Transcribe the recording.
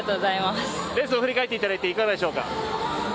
レースを振り返っていただいていかがでしょうか？